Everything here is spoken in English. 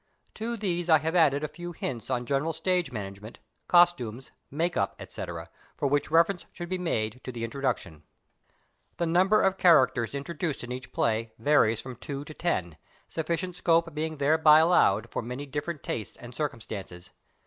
To these I have added a few hints on general Stage management, Costumes, Make up, etc. — for which refer ence should be made to the Introduction. viii PREFACE The number of Characters introduced in each Play varies from two to ten, sufficient scope being thereby allowed for many different tastes and circumstances.